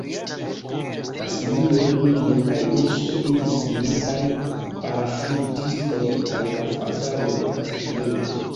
La simio, hundo kaj urso iĝis militaj paraŝutistoj kaj la fazano estas piloto.